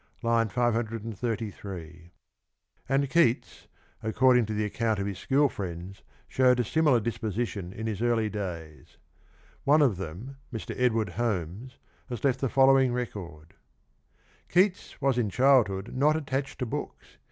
(I. 533) And Keats, according to the account of his school friends, showed a similar disposition in his early days. One of them, Mr. Edward Holmes, has left the following record :" Keats was in childhood not attached to books.